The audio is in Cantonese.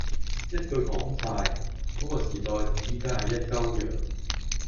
一句講晒，嗰個時代同依家係一鳩樣，